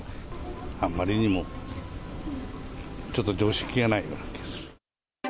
あまりにもちょっと常識がないような気がする。